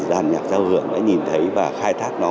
giàn nhạc giao hưởng đã nhìn thấy và khai thác nó